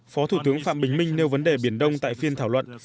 phó thủ tướng phạm bình minh nêu vấn đề biển đông tại phiên thảo luận